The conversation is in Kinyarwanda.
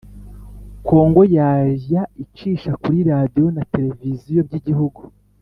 Congo yajya icisha kuri Radio na Televiziyo by Igihugu